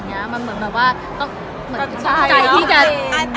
คงเหมือนใจที่จะ